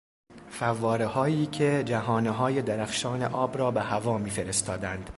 فوارههایی که جهانههای درخشان آب را به هوا میفرستادند.